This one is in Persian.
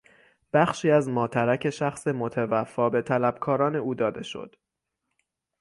بخشی از ماترک شخص متوفی به طلبکاران او داده شد.